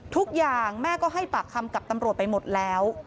ทุกอย่างแม่ก็ให้ปากคำกับตำรวจไปหมดแล้ว